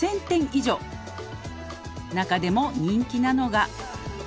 「中でも人気なのが」